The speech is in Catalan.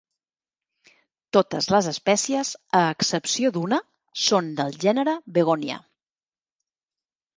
Totes les espècies, a excepció d'una, són del gènere "Begonia".